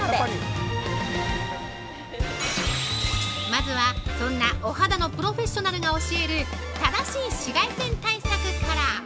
◆まずは、そんなお肌のプロフェッショナルが教える正しい紫外線対策から。